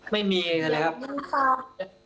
ไม่มีเองเลยครับ